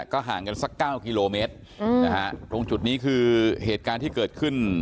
ก็ห่างกันสักเก้ากิโลเมตรอืมนะฮะตรงจุดนี้คือเหตุการณ์ที่เกิดขึ้น